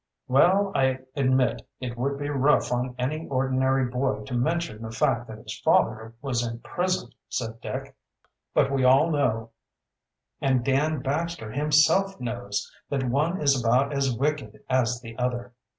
"Well, I admit it would be rough on any ordinary boy to mention the fact that his father was in prison," said Dick. "But we all know, and Dan Baxter himself knows, that one is about as wicked as the other.